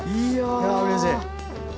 やうれしい。